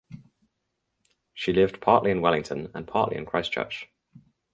She lived partly in Wellington and partly in Christchurch.